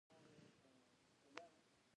د پښتنو په کلتور کې دین او دنیا دواړه مهم دي.